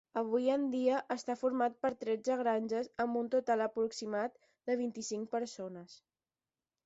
Avui en dia, està format per tretze granges amb un total aproximat de vint-i-cinc persones.